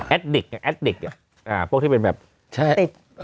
ไอตริกอ่ะอาปุ๊กที่มันแบบติดติด